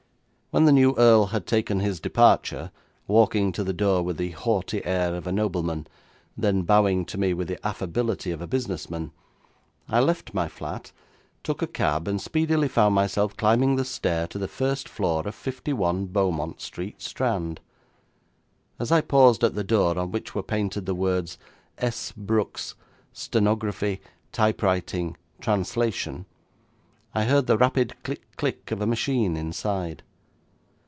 When the new earl had taken his departure, walking to the door with the haughty air of a nobleman, then bowing to me with the affability of a business man, I left my flat, took a cab, and speedily found myself climbing the stair to the first floor of 51 Beaumont Street, Strand. As I paused at the door on which were painted the words, 'S. Brooks, Stenography, Typewriting, Translation', I heard the rapid click click of a machine inside.